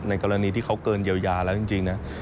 กรณีที่เขาเกินเยียวยาแล้วจริงนะ